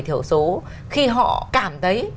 thiểu số khi họ cảm thấy